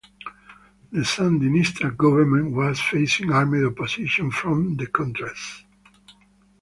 The Sandinista government was facing armed opposition from the Contras.